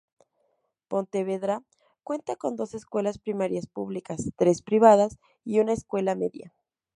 Pontevedra cuenta con dos escuelas primarias públicas, tres privadas y una escuela media.